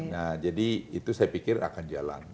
nah jadi itu saya pikir akan jalan